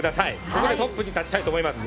ここでトップに立ちたいと思います。